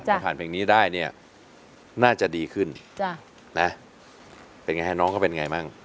ถ้าผ่านเพลงนี้ได้เนี่ยน่าจะดีขึ้นเป็นไงฮะน้องก็เป็นไงบ้าง